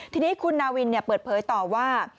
ทีนี้คุณนาวินเปิดเผยต่อว่า